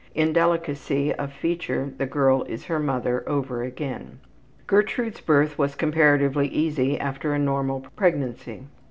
In delicacy of feature the girl is her mother over again. Gertrude's birth was comparatively easy after a normal pregnancy.